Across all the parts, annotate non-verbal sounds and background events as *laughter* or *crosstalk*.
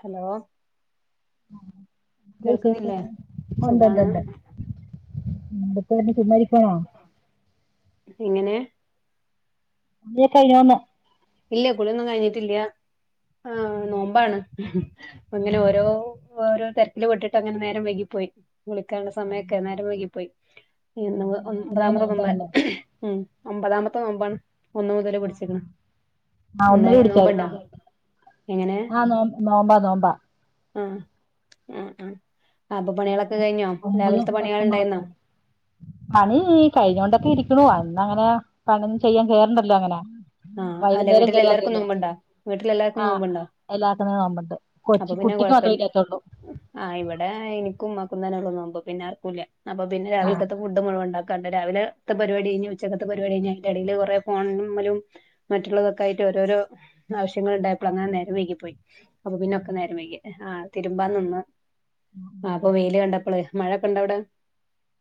Hello എന്തവിഷേസം കേൾക്കുന്നില്ലേ ഉണ്ട് സുഖാണ് ണ്ട് ണ്ട് ടുത്തന്നേ *unintelligible* എങ്ങനേ *unintelligible* ഇല്ല കുളിഒന്നും കഴിഞ്ഞിട്ടില്ല ആഹ് ന്നോമ്പാണ് ആ, അങ്ങനെ ഓരോ ഓരോ തെരക്കില് പെട്ടിട്ട് അങ്ങനെ ന്നേരം വൈകിപ്പോയി വിളിക്കാള്ളെ സമയൊക്കെ അതെയല്ലേ. ന്നേരം വൈകി പോയി ആ, ഇന്ന് എല്ലാവർക്കും തന്നെ ഒൻമ്പതാമത്തെ ന്നൊമ്പാ നോമ്പാണല്ലോ ഉം ഒമ്പതാമത്തെ ന്നോമ്പാണ് ഒന്ന് മുതല് പിടിച്ചിക്ക്ണ് ആഹ് ഒൻപത് പിടിച്ചായ്ര്ന്നോ എങ്ങനെ ആഹ് ന്നോ ന്നോമ്പാ ന്നോമ്പാ ആഹ് ആഹ് അഹ് അപം ഇന്നിപ്പോ പണികളൊക്കെ കഴിഞ്ഞോ ഒമ്പതും രാവിൽത്തെ പണികള് പത്തും ഇണ്ടായിന്നോ? മാത്രമേ ഉള്ളൂ. പണി കഴിഞ്ഞോണ്ടൊക്കെ ഇരിക്ക്ണു അന്ന് അങ്ങനെ പണിഒന്നും ചെയ്യാൻ കേറണ്ടല്ലോ അങ്ങനെ ആഹ് അഎല്ല വൈകുന്നേരം വീട്ടിലെല്ലാർക്കും കയറിയാതിയല്ലോ ന്നോമ്പ്ണ്ടോ വീട്ടിലെല്ലാർക്കും നോമ്പ്ണ്ടോ? എല്ലാത്ത്ന് ന്നോമ്പ്ണ്ട് കൊച്ച് കുട്ടിക്ക് മാത്രേ ഇല്ലാത്തൊള്ളൂ ആഹ് ഇവടെ ഇനിക്കുംഇമ്മാക്കും തന്നെ ഒള്ളൂ ന്നോമ്പ് പിന്നെ ആർക്കൂല്ല്യ അപ്പ പിന്നെ ആ രാവിൽക്കത്തൊ ഫുഡ് മുഴുവൻ ഇണ്ടാക്കാണ്ട് രാവിലേ ത്തെ പരിപാടി കഴിഞ് ഉച്ചക്കത്തെ പരിപാടി കഴിഞ്ഞ് അയ്ൻ്റടേല് കൊറേ ഫോൺ മ്മലും മറ്റുള്ളതൊക്കായിട്ട് ഒരോരോ ആവശ്യങ്ങള് ണ്ടായപ്പള് അങ്ങനെ ന്നേരം വെയ്കിപ്പോയി അപ പിന്നൊക്കെ ന്നേരംവെയ്കി ആഹ് തിരുമ്പാന്ന്ന്ന് ആപ്പം വെയ്ല് കണ്ടപ്പള് മഴൊക്കണ്ടഔടെ?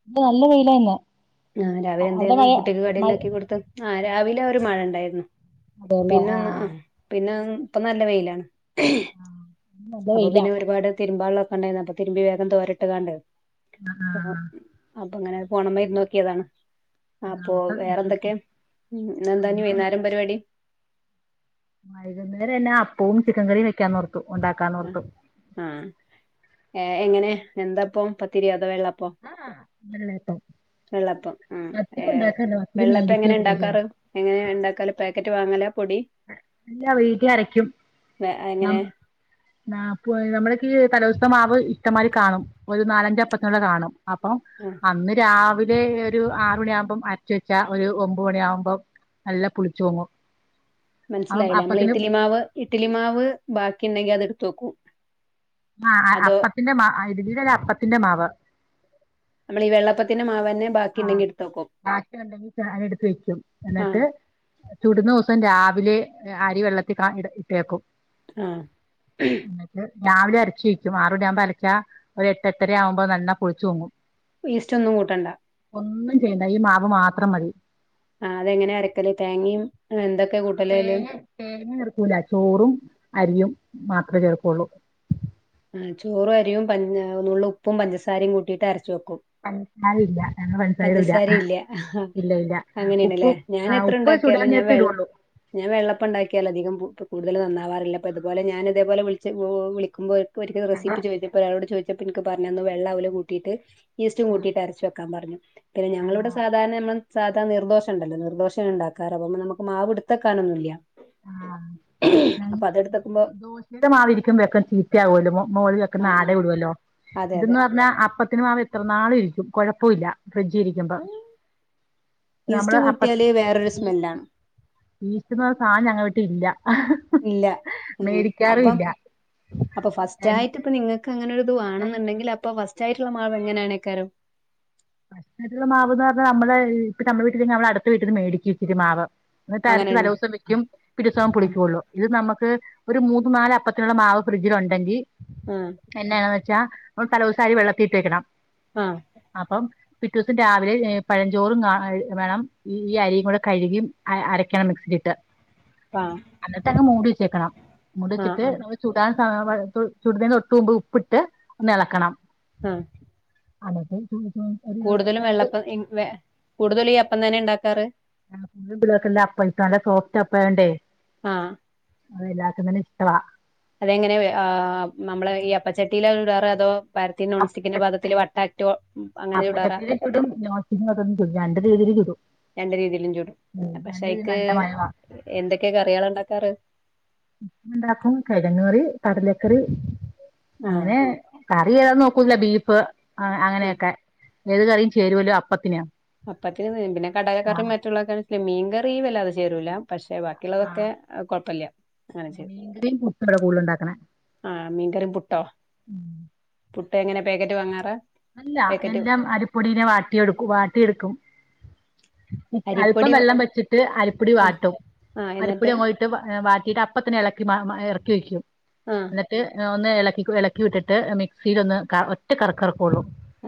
ഇത് നല്ല വെയിലാ ഇന്ന് ആഹ് രാവിലെ അ- അവിടെ എന്തേന്ന് മഴ കുട്ടിക്ക് മഴ കടിണ്ടാക്കി കൊടുത്തഹ് ആഹ് രാവിലെ ഒരു മഴ ഇണ്ടായിര്ന്ന് അതെല്ലേ ആ പിന്നൊന്ന് പിന്നൊം പ്പം ന്നല്ല വെയിലാണ് ആ, ഇന്ന് നല്ല അപ്പ വെയിലാ പിന്നെ ഒരുപാട് തിരുമ്പാള്ളൊക്കെ ഇണ്ടായിന്നു അപം തിര്മ്പി വേഗം തോരട്ട് കാണ്ട് ആഹ് അപ്പങ്ങെനെ ഫോണ് മ്മേ ഇര്ന്ന് ന്നോക്കിയതാണ് ആ, അപോ അപ്പൊ വേറൊന്തൊക്കെ ന്ന്എന്താ ഞി ഞങ്ങള് വൈന്നാരം പരിവാടി വൈകുന്നേര എനാ അപ്പവും ചിക്കൻ കറിം വെക്കാന്നോർത്തു ആഹ് ഒണ്ടാക്കാന്നോർത്തു ആഹ് ഏഹ് എങ്ങനെ എന്തപ്പം പത്തിര്യോ അതോ വെള്ളപ്പോ ആഹ് വെള്ളേപ്പം വെള്ളപ്പം ഉം ഏഹ് പത്തിരി വെള്ളപ്പം മേടിക്കുക എങ്ങനെ കൂടുതൽ ഇണ്ടാക്കാറ്? ചെയ്യണം എങ്ങനെ ഇണ്ടാക്കാല് പേക്കറ്റ് വാങ്ങലാ പൊടി ഇല്ല വീട്ടി അരക്കും വെ എങ്ങനെ ന്നമ് ന്നാപ്പുആയി ന്നമ്മുടെക്കേ തലോസ്തെ മാവ് ഇഷ്ടമാരി കാണും ഒരു ന്നാലഅഞ്ച അപ്പത്തിനുള്ള കാണും അപം ആഹ് അന്ന് രാവിലെ ഒരു ആറ് മണിയാഉമ്പം അരച്ചു വെച്ചാ ഒരു ഒമ്പ മണിയാവുമ്പം നല്ല പുളിച്ചോങ്ങും മനസ്സിലായില്ല നമ്മള് ഇഡലി മാവ് ഇഡലി മാവ് ബാക്കി ഉണ്ടെങ്കി അത് എടുത്തുവയ്ക്കും ആഹ് ആഹ് അപ്പത്തിന്റെ മാവ് ഇഡലിയുടെ അല്ല അപ്പത്തിന്റെ മാവ് നമ്മൾ ഈ വെള്ളപ്പത്തിന് മാവന്നെ ആഹ് ബാക്കി ഉണ്ടെങ്കി താന എടുത്ത് വെക്കും ആഹ് എന്നിട്ട് ചുടുന്ന ദിവസം രാവിലെ അരി വെള്ളത്തിൽ ഇ ഇട്ടേക്കും *unintelligible* *inaudible* എന്നിട്ട് രാവിലെ അരച്ച് വെക്കും ആറ് മണി ആവുമ്പോ അരച്ചാ ഒരു എട്ട് എര ആവുമ്പോ നല്ലൊളിച്ചു പൊങ്ങും ഈസ്റ്റ് ഒന്നും കൂട്ടേണ്ട ഒന്നും ചെയ്യണ്ട ഈ മാവ് മാത്രം മതി ആഹ് അതെങ്ങനെയ അരയ്ക്കല് തേങ്ങയും എന്തൊക്കെ കൂട്ടലേല് അതിൽ തേങ്ങ തേങ്ങ ചേർക്കൂല ചോറും അരിയും മാത്രമേ ചേർക്കുള്ളൂ ആ ചോറു അരിയും പഞ് നുള്ള് ഉപ്പും പഞ്ചസാരയും കൂട്ടിയിട്ട് അരച്ച് വെക്കും *inaudible* ആയില്ല ഞങ്ങൾ പഞ്ചസാര ഇടൂല ഇല്ല ഇല്ല അങ്ങനെയാണല്ലേ ഉപ്പും ഞാൻ ആ എത്ര ഉപ്പ് ചുടാൻ ഉണ്ടാക്കിയാലും ഞാൻ വെള്ള നേരത്തിടുള്ളൂ ഞാൻ വെള്ളപ്പം ഉണ്ടാക്കിയാലോ അധികം ഇ കൂടുതൽ നന്നാവാറില്ല അപ്പോ ഇതുപോലെ ഞാൻ ഇതേപോലെളിച്ച വിളിക്ക്പോ *inaudible* ഒരിക്ക ഞങ്ങൾ റെസിപി ചോദിച്ചപ്പോ എനിക്ക് പറഞ്ഞന്ന് വള്ള അവല കൂട്ടിട്ട് ഈസ്റ്റും കൂട്ടയിട്ട് അരച് വെക്കാൻ പറഞ്ഞു പിന്നെ ആ ഞങ്ങളിവിടെ സാധാരണ നമ്മൾ സാധാ നിർദോഷ ണ്ടല്ലോ നിർദോഷ ഉണ്ടാക്കാറ അപ്പോ നമുക്ക് മാവ് വിടുത്തക്കാനൊന്നുമില്ല *unintelligible* അപ്പൊ അതെടുത്തക്കുമ്പോ *unintelligible* മാവ് ഇരിക്കുമ്പോൾ ഒക്കെ ചീത്ത ആകുമല്ലോ മോളിൽ ആ വെക്കുന്ന ആട ആ ഇടുല്ലോ അതെ അതെ ഇതെന്ന് പറഞ്ഞാൽ അപ്പത്തിന്റെ മാവ് എത്ര നാൾ ഇരിക്കും കുഴപ്പമില്ല ഫ്രിഡ്ജിൽ *inaudible* ഈസ്റ്റ് നമ്മള് അപ്പ കൂട്ടിയാല് വേറൊരു സ്മെല്ലാണ് ഈസ്റ്റ് എന്ന് പറയുന്ന സാധനം ഞങ്ങടെ വീട്ടിൽ ഇല്ല *inaudible* ഇല്ല മേടിക്കാറും അപ്പം ഇല്ല അപ്പൊ ഫസ്റ്റ് ആയിട്ട് ഇപ്പ നിങ്ങൾക്ക് നിങ്ങൾക്ക് അങ്ങനെ ഒരു ഇത് വേണമെന്നുണ്ടെങ്കിൽ അപ്പോ ഫസ്റ്റ് ആയിട്ടുള്ള മാവ് എങ്ങനാണെക്കാരം *inaudible* മാവ്ന്ന് പറഞ്ഞാൽ നമ്മള് ഇപ്പ നമ്മുടെ വീട്ടിൽ ഇല്ലെങ്കിൽ അടുത്ത വീട്ടീന്ന് മേടിക്കും ഇച്ചിരി മാവ് എന്നിട്ട് അരച്ച് അങ്ങനെയാണ് തലേദിവസം വെക്കും പിറ്റേദിവസം ആ പുളിക്കുവൊള്ളൂ ഇത് നമുക്ക് ഒരു മൂന്ന് നാല് അപ്പത്തിനോള മാവ് ഫ്രിഡ്ജിലഉണ്ടെങ്കിൽ ആ *inaudible* എന്തെയാണെന്ന് വച്ചാ നമ്മൾ തലേദിവസം അരി വെള്ളത്തിൽ ഇട്ട് വെക്കണം ആഹ് അപ്പ പിറ്റേ ദിവസം രാവിലെ പഴഞ്ചോറും വേണം ഈ അരിയും കൂടെ കഴുകി അരക്കണം മിക്സി ഇട്ട് ആഹ് എന്നിട്ട് അങ്ങ് മൂടി വെച്ചേക്കണം മൂടി വെച്ചിട്ട് ആ ചുടാൻ സമയമാകുമ്പോൾ ചുടുന്നതിന് തൊട്ടുമുമ്പ് ഉപ്പിട്ട് ഒന്ന് ഇളക്കണം ആഹ് എന്നിട്ട് *inaudible* കൂടുതലും രണ്ട് വെള്ളപ്പം കൂടുതലും ഈ അപ്പം തന്നെ ഉണ്ടാക്കാറ് പിള്ളേർക്ക് അല്ല ഈ അപ്പാ നല്ല സോഫ്റ്റ് അപ്പം ആയതുകൊണ്ട് ആഹ് എല്ലാവർക്കും തന്നെ ഇഷ്ടമാ അതെങ്ങനെ നമ്മള് ഈ അപ്പച്ചട്ടിയില ഇടാർ അതോ പരത്തി അപ്പ നോൺസ്റ്റിക്കിന്റെ പാത്രത്തിൽ വട്ടാക്കി അങ്ങനെ ചൂടാറാ അത് നോൺസ്റ്റിക്കിന്റെ പാത്രം ഒന്നുമില്ല *inaudible* ചൂടും രണ്ട് രീതിയിലും ചൂടും. പക്ഷെ, അയ്ക്ക് മയമാ എന്തൊക്കെയ കറികള ഉണ്ടാക്കാറ്. ഉണ്ടാക്കും കിഴങ്ങ കറി കടലക്കറി ആ അങ്ങനെ കറി ഏതാ നോക്കൂല്ല. ബീഫ് ആ അങ്ങനെയൊക്കെ ഏത് കറിയും ചേരുമല്ലോ അപ്പത്തിനെയാ. അപ്പത്തിന് പിന്നെ കടലക്കറി മറ്റുള്ളതൊഴിച്ച് മീൻ കറിവല്ലാതെ ചേരൂല പക്ഷെ ബാക്കി ആ ബാക്കിയുള്ളതൊക്കെ കുഴപ്പമില്ല ങ്ങനെ ചേരും. മീൻകറിയും, പുട്ടുമാണോ കൂടുതലുണ്ടാക്കണെ. ആഹ് മീൻകറിയും പുട്ടോ? പുട്ടെങ്ങനാ പാക്കറ്റു വാങ്ങാറ അല്ല, എല്ലാം അരിപ്പൊടീല് വാട്ടിയെടുക്കും വാട്ടിയെടുക്കും. അല്പം അരിപ്പൊടി വെള്ളംവെച്ചിട്ട് അരിപ്പൊടി ആഹ് വാട്ടും, ആഹ് എന്നിട്ട് അരിപ്പൊടികൊഴ വാട്ടിയിട്ടപ്പ തന്നെ ഇളക്കി വാ, ഇറക്കി വെക്കും. ആഹ് എന്നിട്ട് ഒന്ന്, ഇളക്കിക്കും ഇളക്കി വിട്ടി ട്ട് മിക്സിയിലൊന്ന് ക ഒറ്റ കറക്കു കറക്കു കയുള്ളൂ.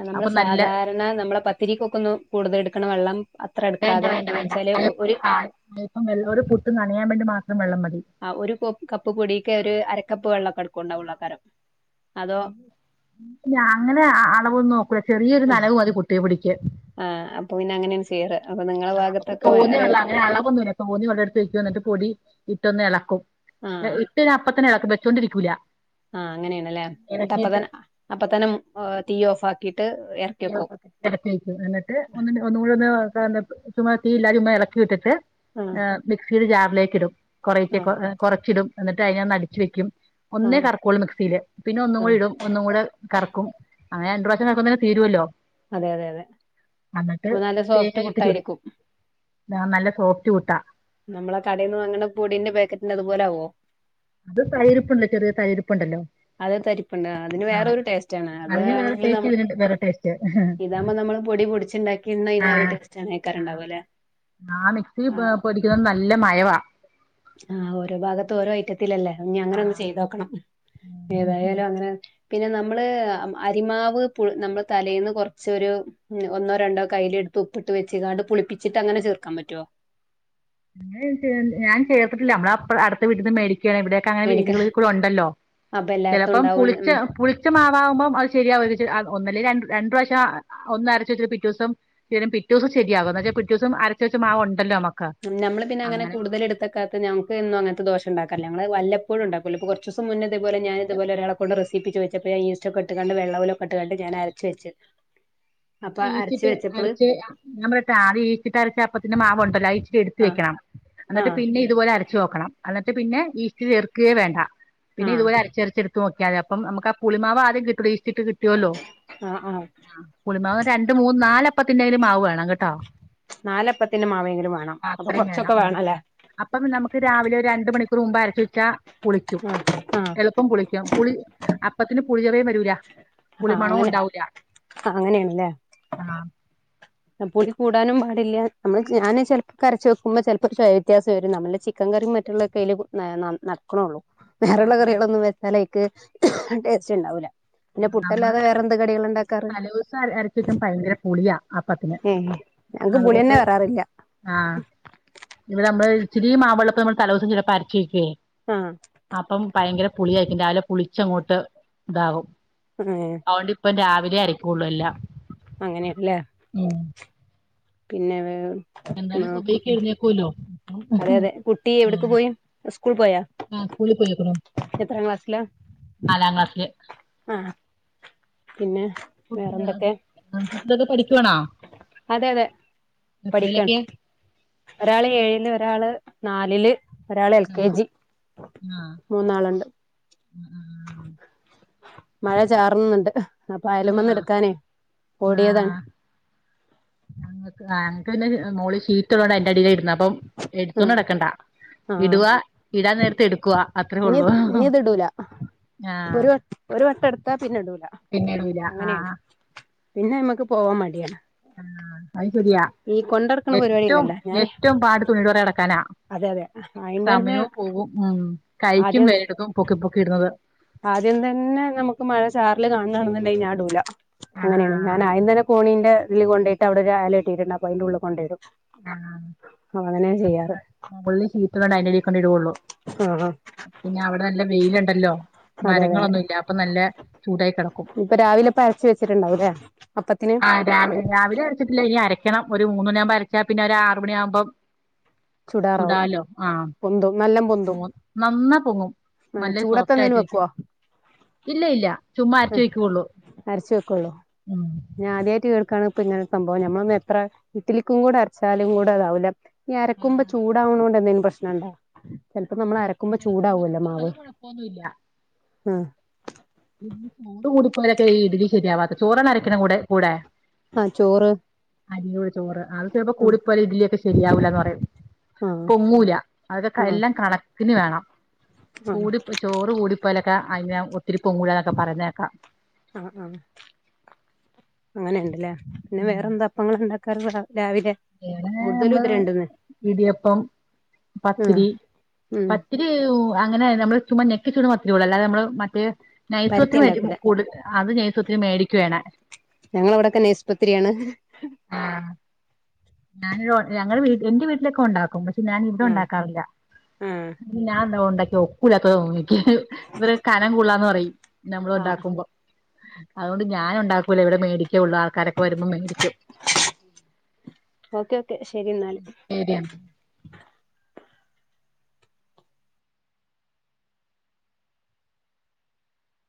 നമ്മളു സാധാരണ നമ്മള് പത്തിരിക്കൊക്കെ ഒന്ന് കൂടുതലെടുക്കണ വെള്ളം. അത്ര വേണ്ട, എടുക്കാതെ വേണ്ട, വേണ്ട വെച്ചാല് ഒരു അല്പം വെള്ള കൊണ്ടു പുട്ടു നനയാൻ വേണ്ടി മാത്രം വെള്ളം മതി. ആഹ്, ഒരു കപ്പ് പൊടിക്ക് ഒരു അരക്കപ്പ് വെള്ളം മെടുക്കയുണ്ടാവുളൂ അന്നേരം. അങ്ങനെ അളവൊന്നും നോക്കൂല, ചെറിയൊരു നനവുമതി പുട്ടു പൊടിക്ക്. ആഹ്, അപ്പൊ പിന്നെ അങ്ങനെയാണുചെയ്യാറ്. അപ്പൊ നിങ്ങളെ ഭാഗത്തൊക്കെ വേറൊ ഒരു. അളവൊന്നു മില്ല. തോന്നി വെള്ളം എടുത്തു വയ്ക്കു മെന്നിട്ടു പൊടി ഇട്ടൊ ന്നിളക്കും. ആഹ് ഇട്ടു കഴിഞ്ഞാലപ്പ ത്തന്നെ ഇളക്കും. വെച്ചൊണ്ടിരിക്കൂല്ല. ആഹ്, അങ്ങനെയാണല്ലേ? എന്നിട്ട് അപ്പത്തന്നെ, അപ്പത്തത്തെ തീ ഓഫാക്കിയിട്ടിറക്കി വെയ്ക്കും. ഇറക്കിവയ്ക്കു മെന്നിട്ട് ഒന്നി, ഒന്നു കൂടിയൊന്ന് ചുമ്മാ തീയില്ലാതെ ചുമ്മായിളക്കി വിട്ടിട്ട്. ആഹ് മിക്സിയുടെ ജാറിലേക്കിടും കുറേശെ, ആഹ് കുറച്ചിടും എന്നിട്ട തിനെയൊന്നടിച്ചു വെക്കും. ഒന്നേ ആഹ് കറക്കുളളു മിക്സിയില്, പിന്നെയൊന്നും ആഹ് കൂടിയിടും ഒന്നും കൂടെ കറക്കുമങ്ങനെ രണ്ടുപ്രാവശ്യം കറക്കുമ്പോത്തേനും തീരുവല്ലോ? അതെ, അതെ, അതെ, അപ്പൊ നല്ല സോഫ്റ്റ് പുട്ടായിരിക്കും. ആഹ്, നല്ല സോഫ്റ്റു പുട്ടാ. നമ്മളാ കടയിൽ നിന്നു വാങ്ങണ പൊടീന്റെ, പാക്കറ്റിന്റെ അതുപോലെ ആകുവോ? അത് തരു തരിപ്പുണ്ട ല്ലോ? ചെറിയ തരു തരിപ്പുണ്ട ല്ലോ? അത് തരിപ്പുണ്ടതിനു വേറൊരു ടേസ്റ്റാണ്, അതിന് വേറെ അതാണെങ്കിൽ നമ് ടേസ്റ്റ് ഇതിന് വേറെ ടേസ്റ്റ് ഇതാകുമ്പോ, നമ്മളുപൊടി പൊടിച്ച്. പൊടിച്ചുണ്ടാ ക്കിയതിനൊരു ടെസ്റ്റാണേ, ഉണ്ടാവ്ക ല്ലേ? ആഹ്‌, മിക്സിയിൽ പൊടിക്കുന്നത് നല്ല മയവാ. ആഹ്, ഓരോ ഭാഗത്തും ഓരോ ഐറ്റത്തില ല്ലേ, ഇനിയങ്ങനെയൊന്നു ചെയ്തു നോക്കണം. ഏതായാലും അങ്ങനെ തന്നെ പിന്നെ, നമ്മളരിമാവ് പു നമ്മളുതലേന്നു കുറച്ചൊരു ഉം. ഒന്നോ രണ്ടോ കയ്യിലെടുത്ത് ഉപ്പിട്ടു വെച്ച തുപുളിപ്പിച്ചിട്ടങ്ങനെ ചേർക്കാൻ പറ്റുവോ? അങ്ങനെ എന്ന് വെച്ച, ഞാൻ ചേർത്തിട്ടില്ല, നമ്മളപ്പുറെ, അടുത്ത വീട്ടിൽ നിന്നു മേടിക്കുകയാണിവിടെ ക്ക, അങ്ങനെ മേടിക്ക വീടുകളിൽ കൂടെയുണ്ടല്ലോ, അപ്പൊ എല്ലായിടത്തും ചിലപ്പം പുളിച്ച, ഉണ്ടാവും പുളി പുളിച്ച മാവാകുമ്പോം അതു ശരിയാവും, ഒന്നല്ലേ ര രണ്ടു പ്രാവശ്യം ഒന്നരച്ചു വെച്ചിട്ട് പിറ്റേ ദിവസം. ശരി യാകും, പിറ്റേ ദിവസം ശരിയാകും, എന്നുവച്ചാൽ പിറ്റേ ദിവസമരച്ചു വെച്ച മാവുണ്ട ല്ലോ? നമ്മക്ക്. നമ്മളു പിന്നെ അങ്ങനെ കൂടുതൽ എടുത്തു വയ്ക്കാത്തെ, നമ്മുക്കെ ന്നു മങ്ങനത്തെ ദോശയുണ്ടാക്കറില്ല. ഞങ്ങളൊക്കെ വല്ലപ്പോഴുമുണ്ടാക്കാറുള്ളൂ, ഇപ്പോ കുറ കറച്ചു ദിവസം മുന്നേയിതേ പോലെ ഞാനിതു പോലെ ഒരാളെ കൊണ്ടു റെസീപ്പി ചോദിച്ച പ്പോ, യീസ്റ്റൊ ക്കെയിട്ടു കൊണ്ട് വെള്ള പോലെ ഇട്ടു കൊണ്ടു ഞാൻ അരച്ചു വെച്ചു. ഈസ്റ്റിട്ട് അരച്ചു വെയ്യാ ഞാൻ പറയട്ടെ. ആദ്യം ഈസ്റ്റിട്ട രച്ചു വെച്ച അപ്പത്തിന്റെ മാവുണ്ടല്ലോ? അതിച്ചിരി ആഹ് യെടുത്തുവെക്കണം. എന്നിട്ടു ആഹ് പിന്നെയും ഇതുപോലെ യരച്ചുനോക്കണം. എന്നിട്ടു പിന്നെ ഈസ്റ്റ് ചേർക്കുകേ വേണ്ട. പിന്നെ ആഹ് ഇതുപോലെ അരച്ചര ച്ചെടു നോക്കിയാ മതി. അപ്പം നമുക്കാ പുളിമാവാദ്യം കിട്ടു, ഈസ്റ്റിട്ട് കിട്ടു വല്ലോ? ആഹ് ആഹ് പുളിമാവു രണ്ടു മൂന്ന് നാലപ്പത്തിന്റെയെങ്കിലും മാവുവേണം കേട്ടോ നാലപ്പത്തിന്റെ മാവെങ്കിലും വേണം അപ്പൊ അത്രയും വേണം കൊറച്ചൊക്കെ വേണമല്ലേ അപ്പം പിന്നെനമുക്ക് രാവിലെ ഒരു രണ്ടുമണിക്കൂറുമുമ്പ് അരച്ചു വെച്ചാ പുളിക്കും ആഹ് ആഹ് എളുപ്പം പുളിക്കും പുളി അപ്പത്തിന് പുളിചൊവയേവരൂല ആഹ് അങ്ങനെ അങ്ങനെയാണല്ലേ ആഹ് പുളികൂടാനും പാടില്ല നമ്മള് ഞാന് ചിലപ്പോക്കെയരച്ചുവെക്കുമ്പോ ചിലപ്പോടേസ്റ്റുവ്യത്യാസം വരും നമ്മുടെ ചിക്കൻ കറിയും മറ്റുള്ള കയ്ൽ നക്കണള്ളൂ വേറള്ള കറികളൊന്നും വെച്ചാൽക്ക് ടേസ്റ്റ് ഉണ്ടാവൂല്ല പിന്നെ നമ്മള് പുട്ടല്ലാതെ വേറെന്ത കടികള് ഇണ്ടാക്കാറ് തലേദിവസം അര അരച്ച് വെക്കുമ്പോ ഭയങ്കര പുളിയാ അപ്പത്തിന് ഏഹ് ഞങ്ങക്ക് പുളി തന്നെ അതുകൊണ്ട് വരാറില്ല ആഹ് ഇവിടെ നമ്മള് ഇച്ചിരി മാവള്ളൊപ്പ നമ്മൾ തലേ ദിവസം ചിലപ്പോ അരച്ച് വെക്കുവേ ആഹ് അപ്പം ഭയങ്കര പുളിയായിരിക്കും രാവിലെ പുളിച്ചങ്ങോട്ട് ഇതാകും ഏഹ് അതൊണ്ട് ഇപ്പം രാവിലെ അരക്കുള്ളൂ എല്ലാം അങ്ങനെയല്ലേ ഉം പിന്നെ വേവും എന്തായാലും സുബഹിക്ക് മാവ്ക്കുട്ടി എഴുന്നേൽക്കുവല്ലോ അതെ അതെ കുട്ടി എവിടക്ക് ഉം പോയി സ്കൂളിൽ പോയാ ആഹ് സ്കൂളിൽ പോയെക്കണു എത്രാം ക്ലാസ്സിലാ നാലാംക്ലാസില് ആഹ് പിന്നെ ആഹ് വേറെന്തൊക്കെ കുട്ടികൾ കുട്ടികളൊക്കെ പഠിക്കുവാണോ അതെ അതെ പഠിക്കാണ് എത്രയിലക്കെ ഒരാള് ഏഴില് ഒരാള് നാലില് ഒരാൾ എൽ കെ ആഹ് ജി മൂന്നാളുണ്ട് ഉം ഉം ഉം മഴ ചാറുന്നുണ്ട് അപ്പ അയാലും അതെയോ വന്ന് എടുക്കാനേ ഓടിയതാണ് ആഹ് ഞങ്ങക്ക് ആഹ് ഞങ്ങക്ക്പിന്നെ മോളിൽ ഷീറ്റ് ഉള്ളോണ്ടാ അതിന്റെ അടിയില ഇടുന്നെ അപ്പം എടുത്തോണ്ട് ആഹ് നടക്കണ്ടാ ആഹ് ഇടുകാ ഇടാൻ നേരത്ത് എടുക്കുവാ അത്രേ ഇനി ഉള്ളൂ ഇനി അത് ഇടൂല ആഹ് ഒരു വ ഒരു വട്ടം എടുത്താ പിന്നെ ഇടൂല പിന്നെ ഇടൂല അങ്ങനെയാണ് ആഹ് പിന്നെ നമുക്ക് പോവാൻ മടിയാണ് ആഹ് അത് ശരിയാ ഈ കൊണ്ടടക്കണ പരിപാടി ഏറ്റവും ഉണ്ടല്ലോ ഞാന് ഏറ്റവും പാട് തുണിയുടെ പുറകെ നടക്കാനാ അതെ അതെ അയിന്റെ തന്നെ സമയവും പോവും ഉം കയ്ക്കും ആദ്യം വേദനയെടുക്കും പൊക്കി പൊക്കി ഇടുന്നത് ആദ്യം തന്നെ നമുക്ക് മഴ ചാറൽ കാണുകയാണെന്നുണ്ടെങ്കിൽ ഞാൻ ഇടൂല ആഹ് അങ്ങനെയാണ് ആഹ് ഞാൻ ആദ്യം തന്നെ കോണീന്റെ ഇതി കൊണ്ട പോയിട്ട് അവിടെ അഴ കെട്ടിട്ടുണ്ട് അപ്പ അതിന്റെ ഉള്ളിൽ കൊണ്ട പോയിടും ആഹ് ഞങ്ങള് മുകളില് ഷീറ്റ് ഉള്ളത് കൊണ്ട് അതിന്റടിക്കൊണ്ട് ഇടുള്ളു ആഹ് ആഹ് പിന്നെ അവിടെ നല്ല വെയിലുണ്ടല്ലോ അതെ അതെ അതെ മരങ്ങളൊന്നുമില്ല അപ്പൊ നല്ല ചൂടായി കിടക്കും ഇപ്പൊ രാവിലെ ഇപ്പ അരച്ച് വെച്ചിട്ടുണ്ടാവൂല്ലേ അപ്പത്തിന് രാവില രാവിലെരച്ചിട്ടില്ല ഇനി അരക്കണം ഒരു മൂന്ന് മണിയാവുമ്പോ അരച്ചാ പിന്നെ ഒരു ആറു മണിയാകുമ്പം ചുടാറാവും ചുടാലോ ആഹ് പൊന്തും നല്ലം പൊന്തും നന്നാ പൊങ്ങും ആഹ് നല്ല സോഫ്റ്റ് ചൂടത്തെന്തേലും ആയിട്ടിരിക്കും വെക്കുവോ ഇല്ല ഇല്ല ചുമ്മാ അരച്ച് ആഹ് വയ്ക്കുള്ളൂ അരച്ച് വെക്കുള്ളൂ ഞാൻ ആദ്യമായിട്ട് കേൾക്കാണ് ഇപ്പ ഇങ്ങനെ സംഭവം ഞമ്മളൊന്നും എത്ര ഇഡ്ഡലിക്കും കൂടെ അരച്ചാലും കൂടെ അതാവില്ല ഈ അരക്കുമ്പോ ആഹ് ചൂടാവണണ്ട് എന്തെങ്കിലും പ്രശ്നുണ്ടോ ചിലപ്പോ നമ്മൾ അരക്കുമ്പോ ചൂടാവല്ലോ മാവ് അത് കൊഴപ്പൊന്നുല്ല ആഹ് ഇി ചോറു കൂടിപ്പോയാൽ ഒക്കെ ഈ ഇഡലി ശരിയാവാത്തത് ചോറാണ് അരയ്ക്കണ കൂടെ കൂടെ ആഹ് ചോറ് അരിട് ചോറ് അത് ചിലപ്പ ആഹ് കൂടിപ്പോയാൽ ഇഡലി ഒക്കെ ശരിയാവൂലന്ന് പറയും ആഹ് പൊങ്ങൂല ആഹ് അതെല്ലാം കണക്കിന് വേണം ആഹ് കൂടി ചോറ് കൂടി പോയാൽ ഒക്കെ അതിങ്ങനെ അതിനെ ഒത്തിരി പൊങ്ങൂലാന്നൊക്കെ പറയുന്നത് കേൾക്കാം ആഹ് അങ്ങനെ ഉണ്ടല്ലേ പിന്നെ ഉം വേറെ എന്താ അപ്പങ്ങൾ ഉണ്ടാക്കാറ് രാവിലെ ഇവിടെ വേറെ നമ്മള് ഇടിയപ്പം ആഹ് പത്തിരി ഉം അങ്ങനെ നമ്മള് ചുമ *inaudible* മാത്രമേ ഉള്ളൂ അല്ലതെ നമ്മള് മറ്റേ നൈസ് പരത്തി പത്തിരി ഇണ്ടാക്കൂല കൂടു അത് നൈസത്തിന് മേടിക്കുവേണ ഞങ്ങളവിടെക്ക നൈസ് പത്തിരിയാണ് ആഹ് ഞാൻ ഞങ്ങടെ വീ എന്റെ വീട്ടിലൊക്കെ ഒണ്ടാക്കും പക്ഷെ ഞാൻ ഇവിടെ ആഹ് ഉണ്ടാക്കാറില്ല ആഹ് ഞാൻ ഇന്നാള് ഉണ്ടാക്കിയത് ഉപ്പില്ലാത്ത *inaudible* ഇവര് കനം കൂടുതൽ ആണെന്ന് പറയും നമ്മൾ ആഹ് ഉണ്ടാക്കുമ്പോ അതുകൊണ്ട് ഞാന് ഉണ്ടാക്കൂല ഇവിടെ മേടിക്കേള്ളൂ ആൾക്കാരൊക്കെ വരുമ്പോ മേടിക്കും *unintelligible* ഓക്കെ ഓക്കെ ശെരിന്നാല് ശരിയെന്ന്